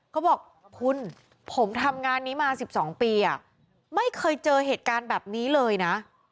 เขาบอกคุณผมทำงานนี้มา๑๒ปีไม่เคยเจอเหตุการณ์แบบนี้เลยนะ